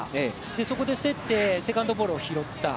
そこで、競ってセカンドボールを拾った。